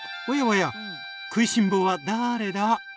おやおや食いしん坊はだれだ？